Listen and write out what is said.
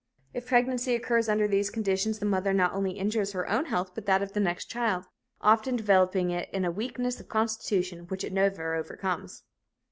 If pregnancy occurs under these conditions, the mother not only injures her own health but that of the next child, often developing in it a weakness of constitution which it never overcomes.